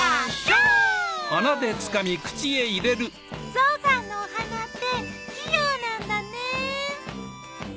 ゾウさんのお鼻って器用なんだね。